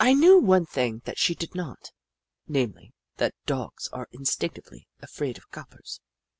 Hoop La 155 knew one thing that she did not ; namely, that Dogs are instinctively afraid of coppers.